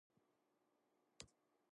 っそしっさん。